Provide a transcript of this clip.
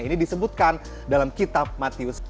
ini disebutkan dalam kitab matius